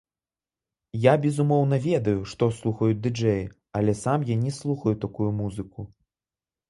Я безумоўна ведаю, што слухаюць ды-джэі, але я сам не слухаю такую музыку.